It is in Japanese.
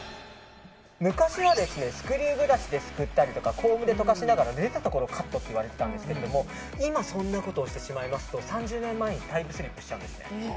昔は、スクリューブラシですくったりコームでとかしながら出たところをカットといわれていたんですが今そんなことをしてしまいますと３０年前にタイムスリップしちゃいます。